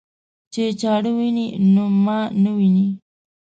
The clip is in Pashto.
چې چاړه ويني نو ما نه ويني.